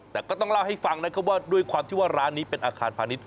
แต่ก็ต้องเล่าให้ฟังนะครับว่าร้านนี้เป็นอาคารพะนิด